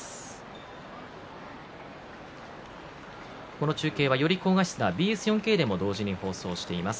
この中継はより高画質なＢＳ４Ｋでも放送しています。